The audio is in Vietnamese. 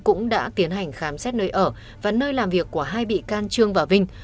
cũng đã tiến hành khám xét nơi ở và nơi làm việc của hai bị can trương và vinh